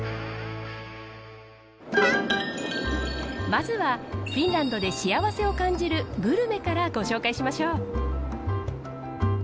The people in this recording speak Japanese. まずはフィンランドで幸せを感じるグルメからご紹介しましょう。